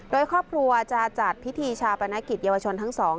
โดยครอบครัวจะจัดพิธีชาปนกิจเยาวชนทั้งสอง